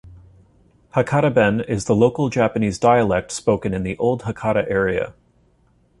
Hakata-ben is the local Japanese dialect spoken in the Old Hakata Area.